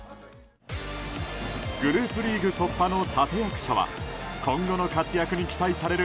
グループリーグ突破の立役者は今後の活躍に期待される